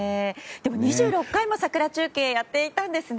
でも、２６回も桜中継をやっていたんですね。